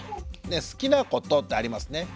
好きなことってありますね。